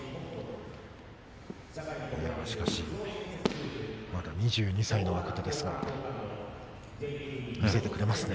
しかし、まだ２２歳の若手見せてくれますね。